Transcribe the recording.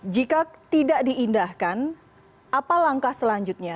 jika tidak diindahkan apa langkah selanjutnya